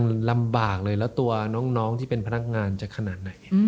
มันลำบากเลยแล้วตัวน้องที่เป็นพนักงานจะขนาดไหน